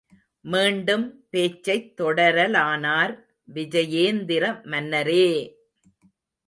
மீண்டும் பேச்சைத் தொடரலானார் விஜயேந்திரமன்னரே!